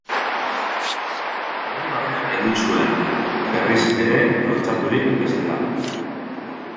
Irribarre egin zuen, berriz ere lotsaturik bezala.